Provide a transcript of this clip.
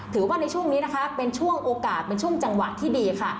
ถือว่าในช่วงนี้นะคะเป็นช่วงโอกาสเป็นช่วงจังหวะที่ดีค่ะ